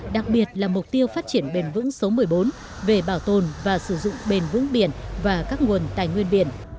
đặc biệt là mục tiêu phát triển bền vững số một mươi bốn về bảo tồn và sử dụng bền vững biển và các nguồn tài nguyên biển